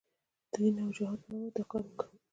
د دین او جهاد په نامه یې دا کار کاوه.